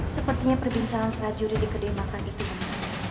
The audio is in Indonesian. sepertinya perbincangan prajurit di kedai makan itu menang